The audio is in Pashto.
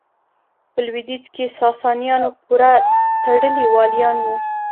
په لوېدیځ کې ساسانیانو پوره تړلي والیان وو.